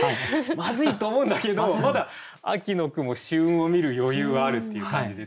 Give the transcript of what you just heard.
「まずい！」と思うんだけどまだ秋の雲秋雲を見る余裕はあるっていう感じですよね。